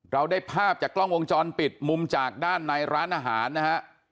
เราได้ภาพจากกล้องวงจรปิดมุมจากด้านในร้านอาหารนะฮะ